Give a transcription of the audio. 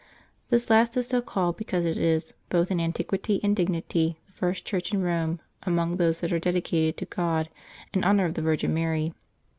This last is so called because it is, both in antiquity and dignity, the first church in Eome among those that are dedicated to God in honor of the Virgin Mary.